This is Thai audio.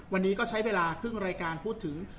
วันนี้ก็ใช้เวลาครึ่งรายการพูดถึง